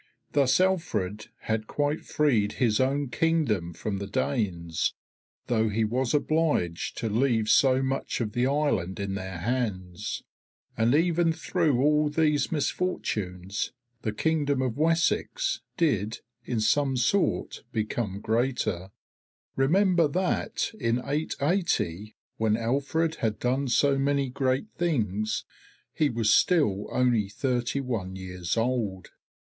Thus Alfred had quite freed his own Kingdom from the Danes, though he was obliged to leave so much of the island in their hands. And even through all these misfortunes, the Kingdom of Wessex did in some sort become greater. Remember that in 880, when Alfred had done so many great things, he was still only thirty one years old.